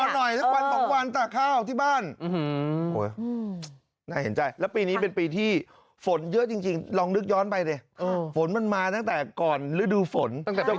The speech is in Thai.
นอนหน่อยสักวันสักวันตากข้าวที่บ้านโอ้ยน่าเห็นใจและปีนี้เป็นปีที่ฝนเยอะจริงลองนึกย้อนไปเลยฝนมันมาตั้งแต่ก่อนฤดูฝน